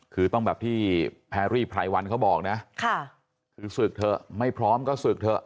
คือต้องแบบที่แพรรี่ไพรวันเขาบอกนะคือศึกเถอะไม่พร้อมก็ศึกเถอะ